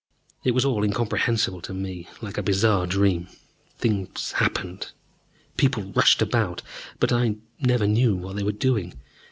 It was all incomprehensible to me: like a bizarre dream, things happened, people rushed about, but I never knew what they were doing.